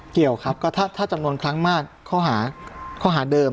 เกี่ยวครับก็ถ้าจำนวนครั้งมากข้อหาเดิม